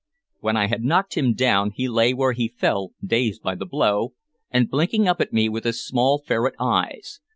When I had knocked him down he lay where he fell, dazed by the blow, and blinking up at me with his small ferret eyes.